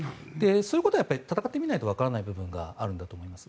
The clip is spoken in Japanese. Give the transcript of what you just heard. そういうことは戦ってみないとわからない部分があるんだと思います。